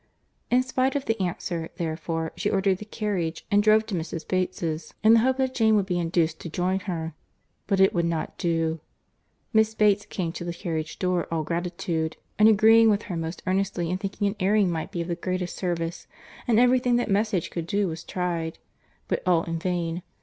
In spite of the answer, therefore, she ordered the carriage, and drove to Mrs. Bates's, in the hope that Jane would be induced to join her—but it would not do;—Miss Bates came to the carriage door, all gratitude, and agreeing with her most earnestly in thinking an airing might be of the greatest service—and every thing that message could do was tried—but all in vain.